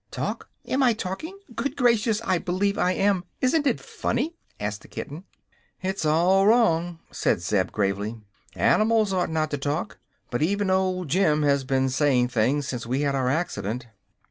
"Talk! Am I talking? Good gracious, I believe I am. Isn't it funny?" asked the kitten. "It's all wrong," said Zeb, gravely. "Animals ought not to talk. But even old Jim has been saying things since we had our accident."